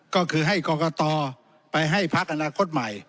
ก็คือให้กรกฎไปให้พรรคอณัคกฎใหม่